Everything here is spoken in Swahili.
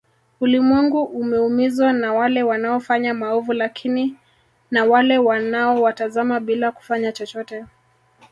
Ulimwengu umeumizwa na wale wanaofanya maovu lakini na wale wanao watazama bila kufanya chochote